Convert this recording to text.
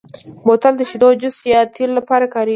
بوتل د شیدو، جوس، یا تېلو لپاره کارېږي.